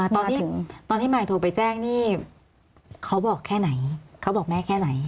ตอนที่ถึงตอนที่มายโทรไปแจ้งนี่เขาบอกแค่ไหนเขาบอกแม่แค่ไหน